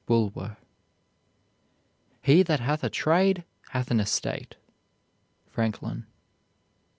BULWER. He that hath a trade hath an estate. FRANKLIN.